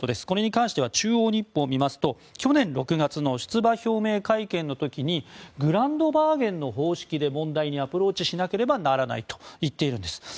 これに関しては中央日報を見ますと去年６月の出馬表明会見の時にグランドバーゲンの方式で問題にアプローチしなければならないと言っているんです。